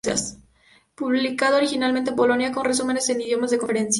Publicado originalmente en Polonia, con resúmenes en idiomas de la conferencia.